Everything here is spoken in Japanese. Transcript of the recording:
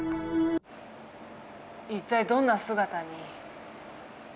一体どんな姿に。